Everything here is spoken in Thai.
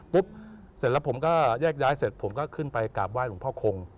เสร็จแล้วผมก็แยกย้ายเสร็จผมก็ขึ้นไปกราบไห้หลวงพ่อคง